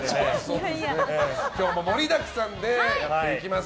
今日も盛りだくさんでやっていきます。